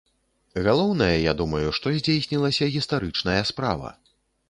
Галоўнае, я думаю, што здзейснілася гістарычная справа.